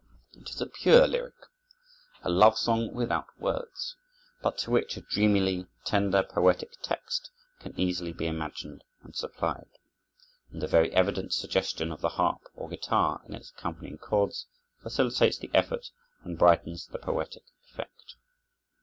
It is a pure lyric, a love song without words, but to which a dreamily tender poetic text can easily be imagined and supplied; and the very evident suggestion of the harp or guitar in its accompanying chords facilitates the effort and brightens the poetic effect.